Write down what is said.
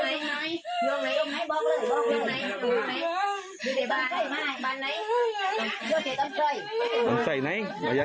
ที่ที่บ้านไหนบ้านไหนที่ต้องใช้ไหน